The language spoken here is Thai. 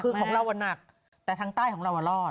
คือของเราหนักแต่ทางใต้ของเรารอด